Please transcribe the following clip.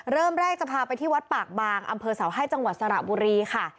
เริ่มแรกจะพาไปที่วัดปากบางอำเภอเสาให้จังหวัดสระบุรีค่ะ